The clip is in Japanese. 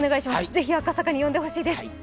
ぜひ赤坂に呼んでほしいです。